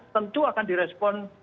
tentu akan direspon